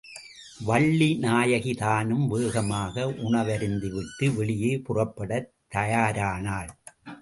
வள்ளிநாயகி தானும் வேமாக உணவருந்திவிட்டு வெளியே புறப்படத் தயாரானாள்.